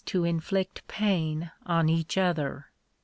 to inflict pain on each other.